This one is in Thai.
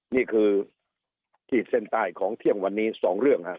นี่คือทีศแสนตายของเที่ยงวันนี้๒เรื่องค่ะ